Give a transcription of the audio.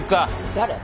誰！？